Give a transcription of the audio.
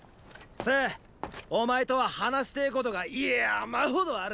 政お前とは話してーことがやーまほどある！